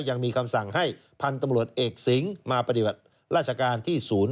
ยังมีคำสั่งให้พันธุ์ตำรวจเอกสิงห์มาปฏิบัติราชการที่ศูนย์